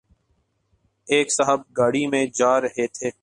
ایک صاحب گاڑی میں جارہے تھے